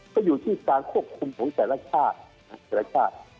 ก็อยู่ที่สารควบคุมของแต่ละชาติ